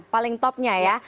paling topnya ya